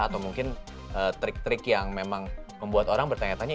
atau mungkin trik trik yang memang membuat orang bertanya tanya